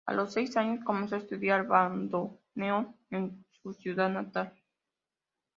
A los seis años comenzó a estudiar bandoneón en su ciudad natal.